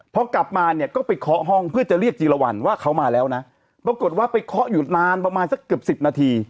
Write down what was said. พอกลับมาเนี่ยก็ไปเคาะห้องเพื่อจะเรียกจีรวรรณว่าเขามาแล้วนะปรากฏว่าไปเคาะอยู่นานประมาณสักเกือบสิบนาที